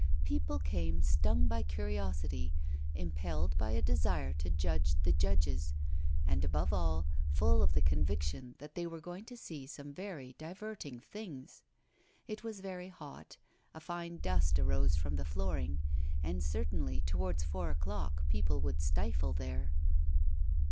People came stung by curiosity, impelled by a desire to judge the judges, and, above all, full of the conviction that they were going to see some very diverting things. It was very hot; a fine dust arose from the flooring; and certainly, towards four o'clock people would stifle there.